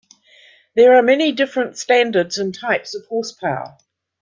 There are many different standards and types of horsepower.